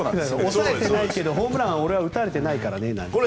抑えてないけどホームランは打たれてないからねって。